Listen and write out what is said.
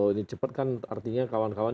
ini cepat kan artinya kawan kawan